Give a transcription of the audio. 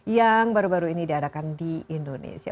yang baru baru ini diadakan di indonesia